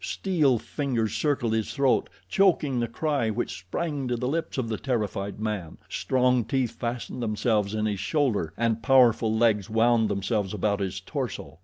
Steel fingers circled his throat, choking the cry which sprang to the lips of the terrified man. Strong teeth fastened themselves in his shoulder, and powerful legs wound themselves about his torso.